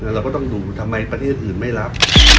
เราก็ต้องดูทำไมประเทศอื่นไม่รับ